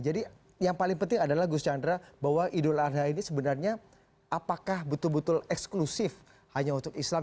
jadi yang paling penting adalah gus chandra bahwa idul adha ini sebenarnya apakah betul betul eksklusif hanya untuk islam